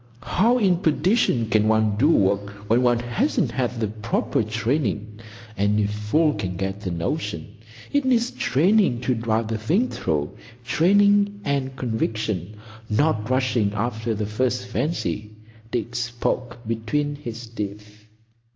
"How in perdition can one do work when one hasn't had the proper training? Any fool can get a notion. It needs training to drive the thing through,—training and conviction; not rushing after the first fancy." Dick spoke between his teeth.